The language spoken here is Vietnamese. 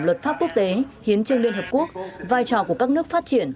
luật pháp quốc tế hiến trương liên hợp quốc vai trò của các nước phát triển